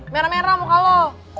merah merah muka lo